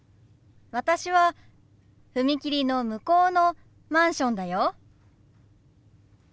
私は踏切の向こうのマンションだよ。